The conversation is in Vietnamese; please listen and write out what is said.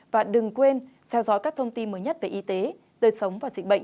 và đừng quên theo dõi các thông tin mới nhất về y tế đời sống và dịch bệnh